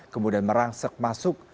kemudian merangsak masuk